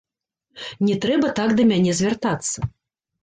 Не трэба так да мяне звяртацца.